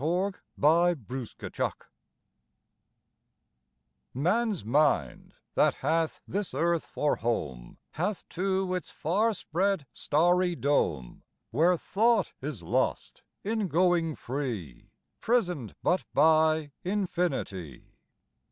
_ THE EXCELLENT WAY Man's mind that hath this earth for home Hath too its far spread starry dome Where thought is lost in going free, Prison'd but by infinity.